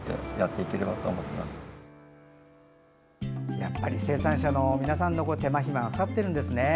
やっぱり生産者の皆さんの手間暇がかかってるんですね。